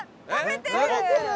食べてる！